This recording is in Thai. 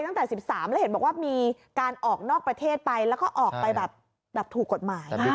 ตั้งแต่๑๓เห็นมันบอกว่ามีการออกนอกประเทศไปแล้วกลับถูกกฎหมาย